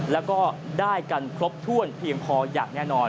แล้วก็ได้กันครบถ้วนเพียงพออย่างแน่นอน